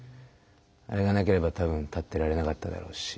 あれがなければ多分立ってられなかっただろうし。